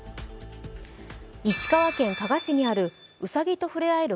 石川県加賀市にあるうさぎとふれ合える